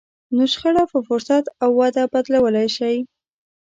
نو شخړه په فرصت او وده بدلولای شئ.